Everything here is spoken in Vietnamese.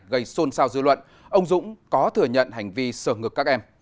gây xôn xao dư luận ông dũng có thừa nhận hành vi sờ ngược các em